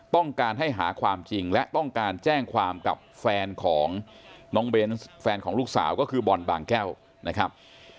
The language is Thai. ต้องการให้หาความจริงและต้องการแจ้งความกับแฟนของน้องเบนส์แฟนของลูกสาวก็คือบอลบางแก้วนะครับ